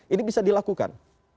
ini bisa dilakukan